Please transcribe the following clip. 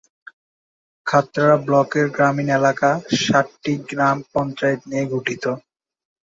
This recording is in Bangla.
খাতড়া ব্লকের গ্রামীণ এলাকা সাতটি গ্রাম পঞ্চায়েত নিয়ে গঠিত।